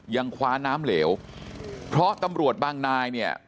ยังคว้าน้ำเหลวเพราะตำรวจบางนายเนี่ย